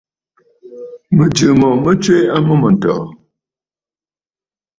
Mɨ̀jɨ̂ mo mɨ tswe a mûm àntɔ̀ɔ̀.